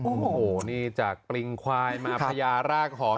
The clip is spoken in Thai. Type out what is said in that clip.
โอ้โหนี่จากปริงควายมาพญารากหอน